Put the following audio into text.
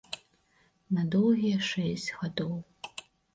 На доўгія шэсць гадоў.